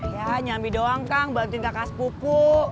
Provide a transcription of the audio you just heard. ya nyambi doang kang bantuin kakak sepupu